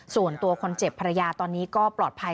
ส่วนตัวคนเจ็บภรรยาตอนนี้ก็ปลอดภัย